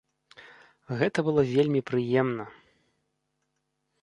Гэта было вельмі прыемна!